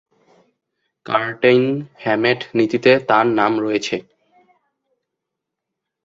Curtin-Hammett নীতিতে তার নাম রয়েছে।